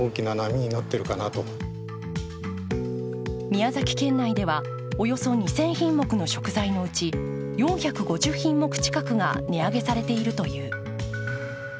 宮崎県内では、およそ２０００品目の食材のうち４５０品目近くが値上げされているという。